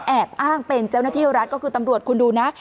อาบอ้างเป็นแจ้วนาฏิรัฐก็คือตำรวจคุณดูนะ